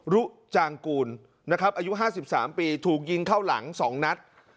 รุจางกูลนะครับอายุห้าสิบสามปีถูกยิงเข้าหลังสองนัด